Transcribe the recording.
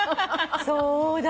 そうだ。